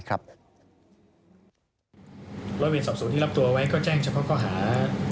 ร้อยเวรสอบสวนที่รับตัวไว้ก็แจ้งเฉพาะข้อหา